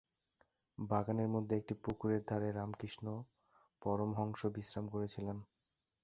বাগানের মধ্যে একটি পুকুরের ধারে রামকৃষ্ণ পরমহংস বিশ্রাম করেছিলেন।